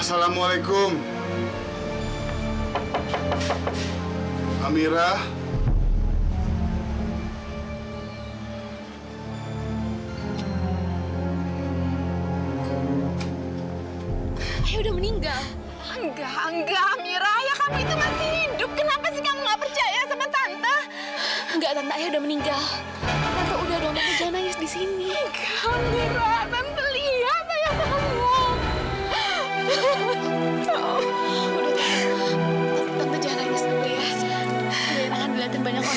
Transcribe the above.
sampai jumpa di video selanjutnya